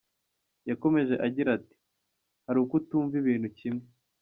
Yakomeje agira ati “Hari ukutumva ibintu kimwe.